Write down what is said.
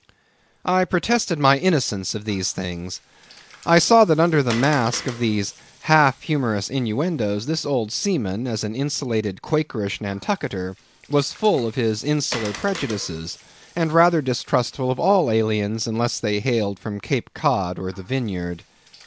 I protested my innocence of these things. I saw that under the mask of these half humorous innuendoes, this old seaman, as an insulated Quakerish Nantucketer, was full of his insular prejudices, and rather distrustful of all aliens, unless they hailed from Cape Cod or the Vineyard.